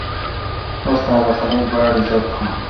استاد دے خلق باڑ عزت تھان۔